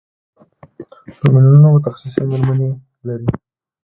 په میلیونونو متخصصې مېرمنې لري.